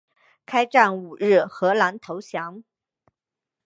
开战五日荷兰投降。